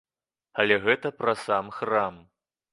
Але гэта пра сам храм.